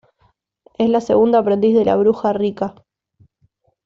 Es la segunda aprendiz de la Bruja Rika.